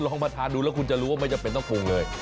ลองมาทานดูแล้วคุณจะรู้ว่าไม่จำเป็นต้องปรุงเลย